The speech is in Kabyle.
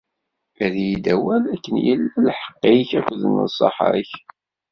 Err-iyi-d awal, akken yella lḥeqq-ik akked nnṣaḥa-k.